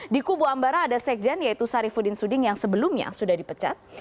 di kubu ambara ada sekjen yaitu sarifudin suding yang sebelumnya sudah dipecat